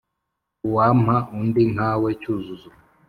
Uwampa undi nkawe Cyuzuzo